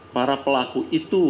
para pelaku itu